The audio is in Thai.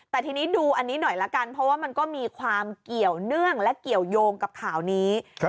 แต่ทีนี้ดูอันนี้หน่อยละกันเพราะว่ามันก็มีความเกี่ยวเนื่องและเกี่ยวยงกับข่าวนี้